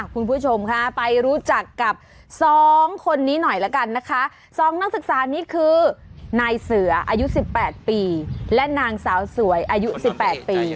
คุณผู้ชมค่ะไปรู้จักกับสองคนนี้หน่อยละกันนะคะสองนักศึกษานี้คือนายเสืออายุสิบแปดปีและนางสาวสวยอายุสิบแปดปี